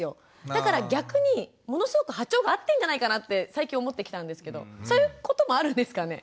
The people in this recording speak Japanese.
だから逆にものすごく波長が合ってんじゃないかなって最近思ってきたんですけどそういうこともあるんですかね？